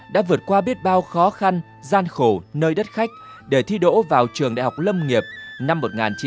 đã vượt qua biết bao khó khăn gian khổ nơi đất khách để thi đỗ vào trường đại học lâm nghiệp năm một nghìn chín trăm bảy mươi năm